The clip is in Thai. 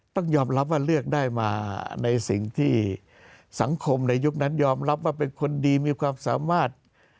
ต้องยอมรับว่าเลือกได้มาในสิ่งที่สังคมในยุคนั้นยอมรับว่าเป็นคนดีมีความสามารถ